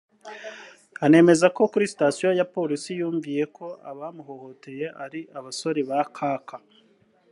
Anemeza ko kuri Sitasiyo ya polisi yumviye ko abamuhohoteye ari abasore ba Kaka